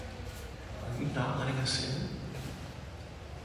Are you not letting us in?